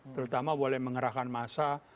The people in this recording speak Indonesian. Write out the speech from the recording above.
terutama boleh mengerahkan massa